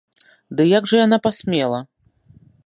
Ды як жа яна пасмела?!